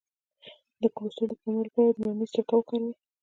د کولیسټرول د کمولو لپاره د مڼې سرکه وکاروئ